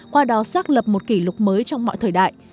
qua đó xác lập một kỷ lục mới trong mọi thời đại